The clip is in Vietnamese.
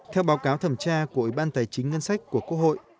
theo báo cáo thẩm tra của ủy ban tài chính ngân sách của quốc hội